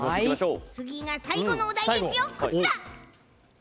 次が最後のお題ですよ。